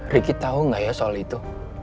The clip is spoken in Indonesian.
ricky tau gak ya soal itu